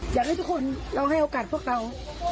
อยากให้ทุกคนเราให้โอกาสพวกเรา